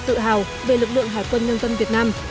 tự hào về lực lượng hải quân nhân dân việt nam